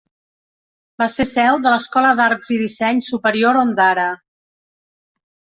Va ser seu de l'Escola d'Arts i Disseny Superior Ondara.